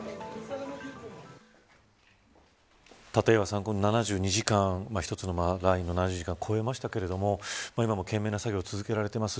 立岩さん、この７２時間一つのラインを越えましたけれども今も懸命な作業が続けられています。